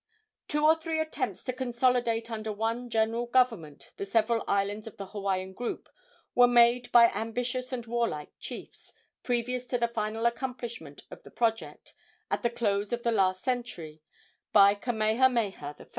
Two or three attempts to consolidate under one general government the several islands of the Hawaiian group were made by ambitious and war like chiefs previous to the final accomplishment of the project, at the close of the last century, by Kamehameha I.